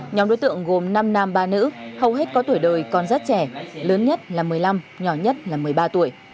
nhóm đối tượng gồm năm nam ba nữ hầu hết có tuổi đời còn rất trẻ lớn nhất là một mươi năm nhỏ nhất là một mươi ba tuổi